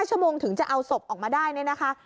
ชั่วโมงถึงจะเอาศพออกมาได้เนี่ยนะคะ